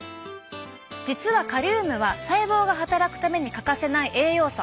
実はカリウムは細胞が働くために欠かせない栄養素。